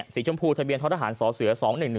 สีชมพูทะเบียนทศาสตร์เสือ๒๑๑๐